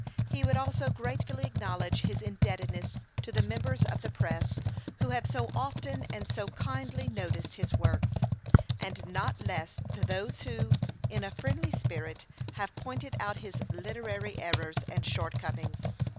He would also gratefully acknowledge his indebtedness to the members of the press who have so often and so kindly noticed his works ; and not less to those who, in a friendly spirit, have pointed out his literary errors and short comings.